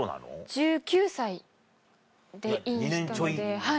１９歳でインしたので。